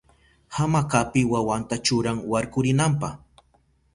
Hamakapi wawanta churan warkurinanpa.